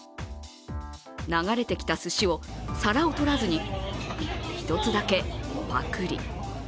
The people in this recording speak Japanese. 流れてきたすしを、皿を取らずに１つだけパクリ。